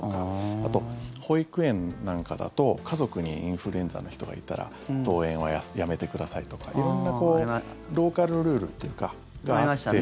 あと、保育園なんかだと家族にインフルエンザの人がいたら登園はやめてくださいとか色んなローカルルールがあって。